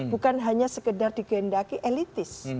bukan hanya sekedar digendaki elitis